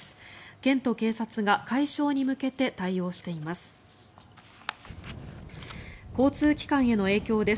県と警察が解消に向けて対応しています。